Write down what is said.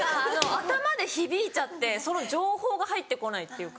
頭で響いちゃってその情報が入ってこないっていうか。